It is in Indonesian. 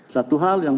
satu hal yang